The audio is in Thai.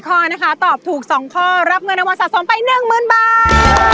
เออรับเงินรางวัลสะสมไป๑หมื่นบาท